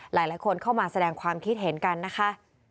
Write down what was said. หลายคนเข้ามาแสดงความคิดเห็นกันนะคะ